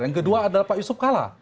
yang kedua adalah pak yusuf kala